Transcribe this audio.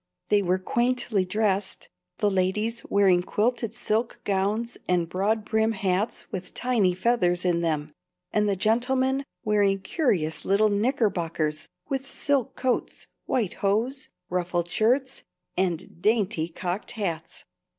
They were quaintly dressed; the ladies wearing quilted silk gowns and broadbrim hats with tiny feathers in them, and the gentlemen wearing curious little knickerbockers, with silk coats, white hose, ruffled shirts, and dainty cocked hats.